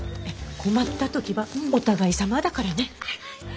困った時はお互いさまだからね。